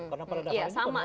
karena pada dasarnya